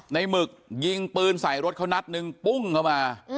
หมึกยิงปืนใส่รถเขานัดนึงปุ้งเข้ามา